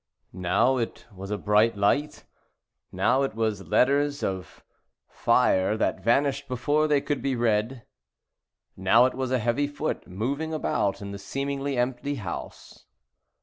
Now it was a bright light, now it was letters of 139 The fire that vanished before they could be Celtic 3 • L / Twilight, read, now it was a heavy foot moving about in the seemingly empty house.